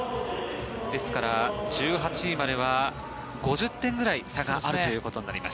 ですから１８位までは５０点ぐらい差があるということになります。